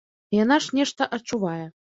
Яна ж нешта адчувае.